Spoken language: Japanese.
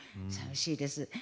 さみしいです。